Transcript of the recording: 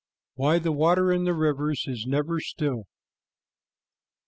WHY THE WATER IN RIVERS IS NEVER STILL.